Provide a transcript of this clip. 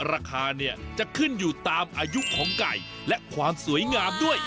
ราคาเนี่ยจะขึ้นอยู่ตามอายุของไก่และความสวยงามด้วย